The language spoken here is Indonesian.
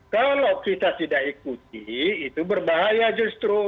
kalau kita tidak ikuti itu berbahaya justru